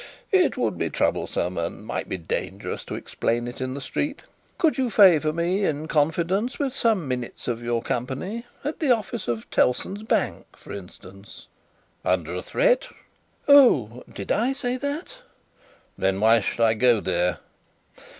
"It would be troublesome, and might be dangerous, to explain in the street. Could you favour me, in confidence, with some minutes of your company at the office of Tellson's Bank, for instance?" "Under a threat?" "Oh! Did I say that?" "Then, why should I go there?"